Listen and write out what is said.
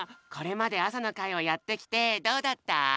これまであさのかいをやってきてどうだった？